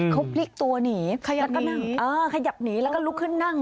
เขาปลิ๊กตัวหนีขยับหนีแล้วก็ลุกขึ้นนั่ง